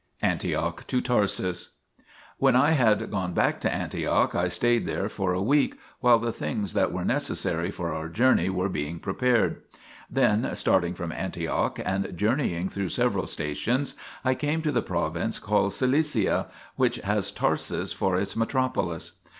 ANTIOCH TO TARSUS When I had got back to Antioch, I stayed there for a week, while the things that were necessary for our journey were being prepared. Then, starting from Antioch and journeying through several stations, I came to the province called Cilicia, which has Tarsus for its metropolis.